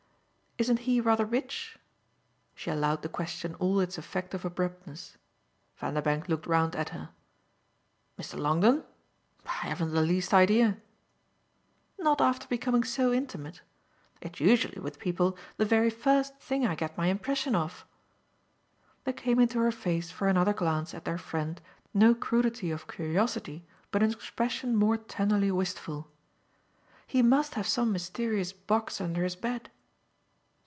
"Isn't he rather rich?" She allowed the question all its effect of abruptness. Vanderbank looked round at her. "Mr. Longdon? I haven't the least idea." "Not after becoming so intimate? It's usually, with people, the very first thing I get my impression of." There came into her face for another glance at their friend no crudity of curiosity, but an expression more tenderly wistful. "He must have some mysterious box under his bed."